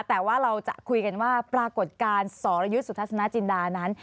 แต่ว่าเราจะคุยกันว่าปรากฏการณ์สรยุทธ์สุทัศนาจินดานั้น